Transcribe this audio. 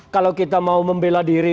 kalau kita mau membela diri